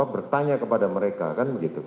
bertanya kepada mereka kan begitu